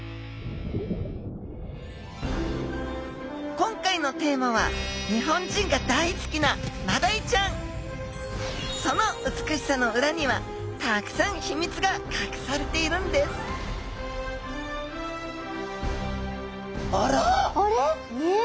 今回のテーマはその美しさの裏にはたくさん秘密がかくされているんですあら！